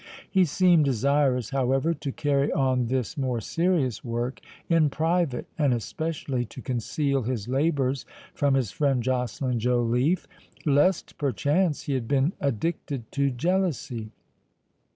He seemed desirous, however, to carry on this more serious work in private, and especially to conceal his labours from his friend Joceline Joliffe, lest, perchance, he had been addicted to jealousy.